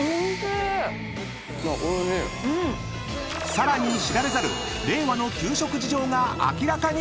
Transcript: ［さらに知られざる令和の給食事情が明らかに！］